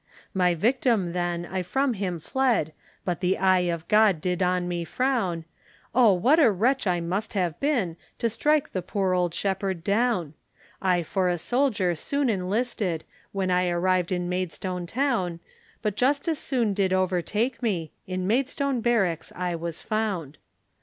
My victim then, I from him fled, But the eye of God did on me frown, Oh, what a wretch I must have been, To strike the poor old shepherd down; I for a soldier soon enlisted, When I arrived in Maidstone town, But justice soon did overtake me, In Maidstone barracks I was found.